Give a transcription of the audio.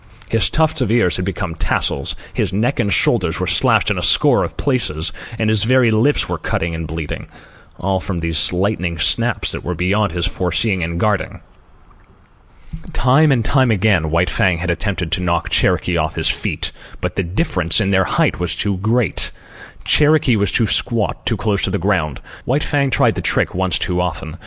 His tufts of ears had become tassels, his neck and shoulders were slashed in a score of places, and his very lips were cut and bleeding—all from these lightning snaps that were beyond his foreseeing and guarding. Time and again White Fang had attempted to knock Cherokee off his feet; but the difference in their height was too great. Cherokee was too squat, too close to the ground. White Fang tried the trick once too often.